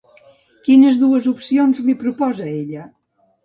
Quines dues opcions li proposa ella?